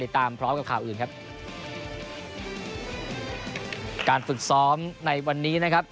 พร้อมกับข่าวอื่นครับการฝึกซ้อมในวันนี้นะครับ